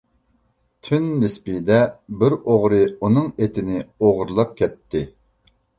تۈن نىسبىدە بىر ئوغرى ئۇنىڭ ئېتىنى ئوغرىلاپ كەتتى.